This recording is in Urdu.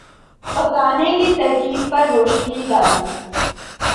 پکانے کی ترکیب پر روشنی ڈالی